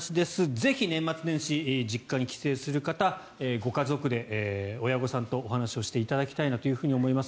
ぜひ年末年始、実家に帰省する方ご家族で親御さんとお話していただきたいなと思います。